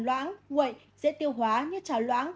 loãng nguội dễ tiêu hóa như trà loãng